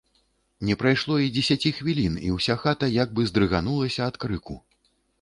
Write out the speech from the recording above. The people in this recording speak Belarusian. Не прайшло і дзесяці хвілін, і ўся хата як бы здрыганулася ад крыку.